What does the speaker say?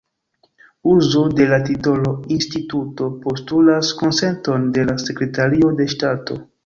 Uzo de la titolo 'Instituto' postulas konsenton de la Sekretario de Ŝtato.